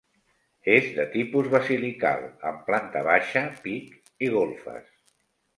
És de tipus basilical amb planta baixa, pic i golfes.